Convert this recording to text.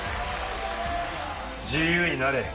自由になれ。